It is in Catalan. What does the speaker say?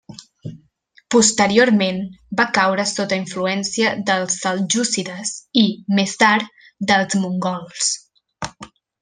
Posteriorment va caure sota influència dels seljúcides, i més tard dels mongols.